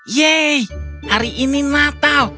yeay hari ini natal